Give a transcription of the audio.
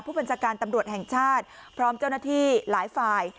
ผู้บัญชาการตำรวจแห่งชาติพร้อมเจ้าหน้าที่หลายฝ่าย